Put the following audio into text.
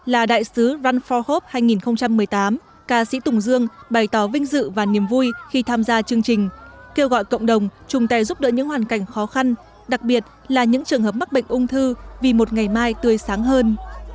là đại sứ ranfah hof hai nghìn một mươi tám ca sĩ tùng dương bày tỏ vinh dự và niềm vui khi tham gia chương trình kêu gọi cộng đồng chung tay giúp đỡ những hoàn cảnh khó khăn đặc biệt là những trường hợp mắc bệnh ung thư vì một ngày mai tươi sáng hơn